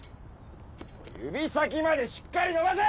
指先までしっかり伸ばせ！